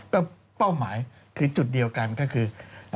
ก็เป้าหมายคือจุดเดียวกันก็คือ